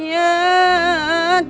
cilok cihoyama lima ratusan